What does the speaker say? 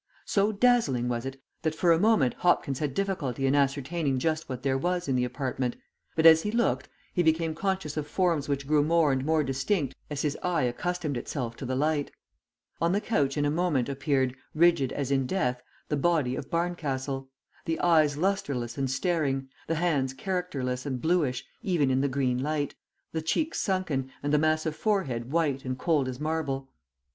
So dazzling was it, that for a moment Hopkins had difficulty in ascertaining just what there was in the apartment, but as he looked he became conscious of forms which grew more and more distinct as his eye accustomed itself to the light. On the couch in a moment appeared, rigid as in death, the body of Barncastle; the eyes lustreless and staring, the hands characterless and bluish even in the green light, the cheeks sunken and the massive forehead white and cold as marble.